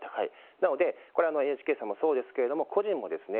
なので、これはＮＨＫさんもそうですけれども個人もですね